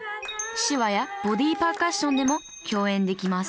手話やボディパーカッションでも共演できます